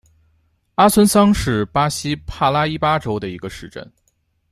阿孙桑是巴西帕拉伊巴州的一个市镇。